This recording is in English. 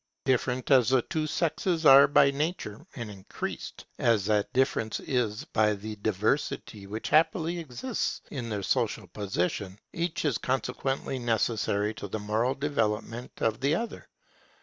Different as the two sexes are by nature, and increased as that difference is by the diversity which happily exists in their social position, each is consequently necessary to the moral development of the other.